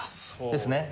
ですね。